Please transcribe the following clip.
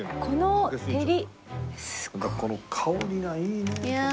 この香りがいいねえ。